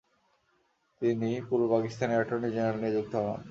তিনি পূর্ব পাকিস্তানের attorney general নিযুক্ত হন।